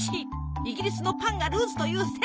イギリスのパンがルーツという説も！